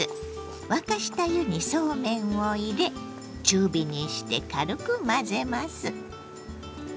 沸かした湯にそうめんを入れ中火にして軽く混ぜます。